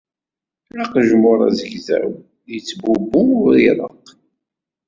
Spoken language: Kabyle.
Aqejmur azgzaw yettbubbu ur ireq.